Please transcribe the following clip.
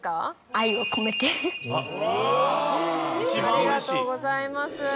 ありがとうございます。